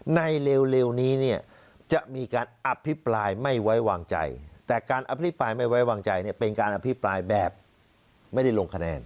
เร็วนี้เนี่ยจะมีการอภิปรายไม่ไว้วางใจแต่การอภิปรายไม่ไว้วางใจเนี่ยเป็นการอภิปรายแบบไม่ได้ลงคะแนน